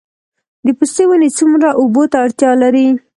د پستې ونې څومره اوبو ته اړتیا لري؟